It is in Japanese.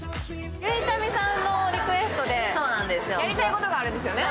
ゆいちゃみさんのリクエストでやりたいことがあるんですよね。